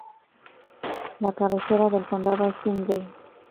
La cabecera del condado es Sidney.